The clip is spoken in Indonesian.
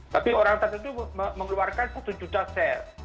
tapi orang tertentu mengeluarkan seribu sel